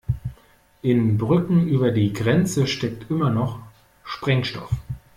In Brücken über die Grenze steckt immer noch Sprengstoff.